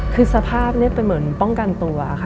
คือสภาพนี้เป็นเหมือนป้องกันตัวค่ะ